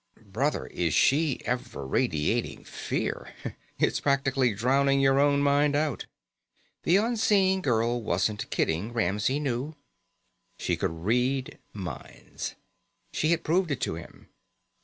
Brother, is she ever radiating fear! It's practically drowning your own mind out." The unseen girl wasn't kidding, Ramsey knew. She could read minds. She had proved it to him.